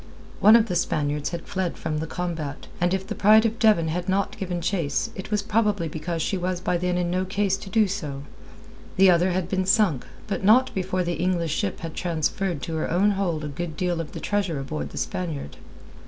One of the Spaniards had fled from the combat, and if the Pride of Devon had not given chase it was probably because she was by then in no case to do so. The other had been sunk, but not before the English ship had transferred to her own hold a good deal of the treasure aboard the Spaniard.